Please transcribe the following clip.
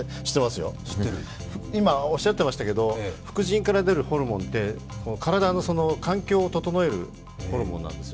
知ってますよ、副腎から出るホルモンって体の環境を整えるホルモンなんですよ。